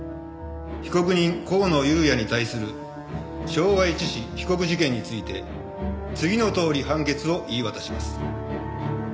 被告人香野裕哉に対する傷害致死被告事件について次のとおり判決を言い渡します。